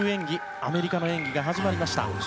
アメリカの演技が始まりました。